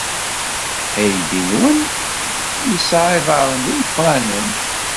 Aydi-nwen yesɛa iḍarren d imeqranen!